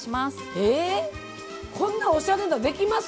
えぇこんなおしゃれなんできます？